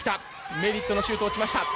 メリットのシュート落ちました。